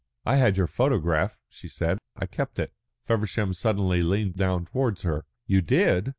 "I had your photograph," she said. "I kept it." Feversham suddenly leaned down towards her. "You did!"